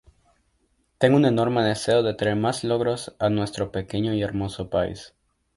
Tengo un enorme deseo de traer más logros a nuestro pequeño y hermoso país.